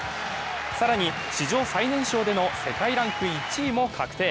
更に史上最年少での世界ランク１位も確定。